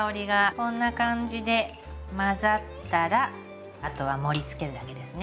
こんな感じで混ざったらあとは盛りつけるだけですね。